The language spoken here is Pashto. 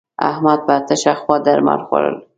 احمد پر تشه خوا درمل خوړول.